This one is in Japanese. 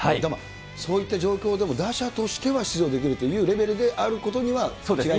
そういった状況でも打者としては出場できるというレベルであることには違いないと。